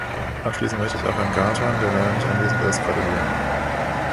Abschließend möchte ich auch Herrn Gahrton, der leider nicht anwesend ist, gratulieren.